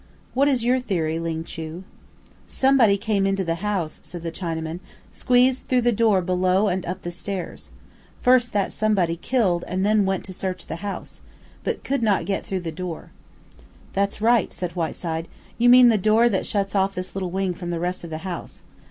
"What is your theory, Ling Chu?" he asked. "Somebody came into the house," said the Chinaman, "squeezed through the door below and up the stairs. First that somebody killed and then went to search the house, but could not get through the door." "That's right," said Whiteside. "You mean the door that shuts off this little wing from the rest of the house.